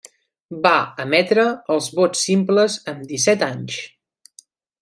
Va emetre els vots simples amb disset anys.